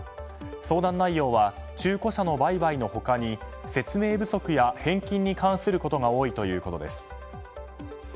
相談内容は中古車の売買の他に説明不足や返金に関することが多いということです。